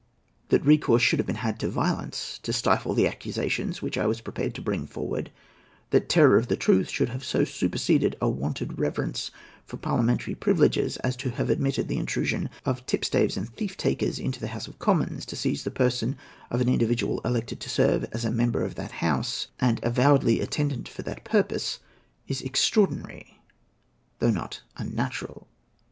That recourse should have been had to violence to stifle the accusations which I was prepared to bring forward, that terror of the truth should have so superseded a wonted reverence for parliamentary privileges as to have admitted the intrusion of tipstaves and thief takers into the House of Commons, to seize the person of an individual elected to serve as a member of that House, and avowedly attendant for that purpose, is extraordinary, though not unnatural."